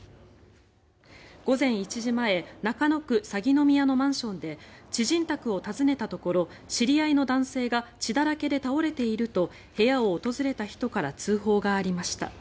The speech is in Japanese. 午前１時前中野区鷺宮のマンションで知人宅を訪ねたところ知り合いの男性が血だらけで倒れていると部屋を訪れた人から通報がありました。